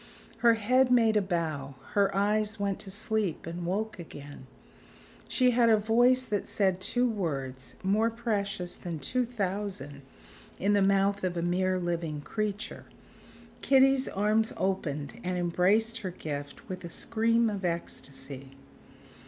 Her head made a bow; her eyes went to sleep and woke again; she had a voice that said two words more precious than two thousand in the mouth of a mere living creature. Kitty's arms opened and embraced her gift with a scream of ecstasy.